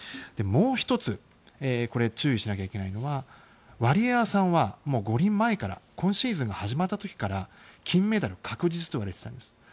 もう１つ注意しなければいけないのはワリエワさんは五輪前から今シーズンが始まった時から金メダル確実といわれていたんです。